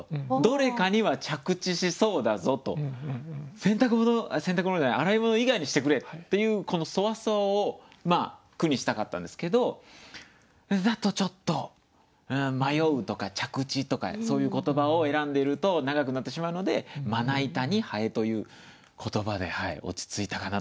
洗濯物洗濯物じゃない洗い物以外にしてくれっていうこのソワソワを句にしたかったんですけどそれだとちょっと「迷う」とか「着地」とかそういう言葉を選んでいると長くなってしまうので「まな板に蠅」という言葉で落ち着いたかなという感じです。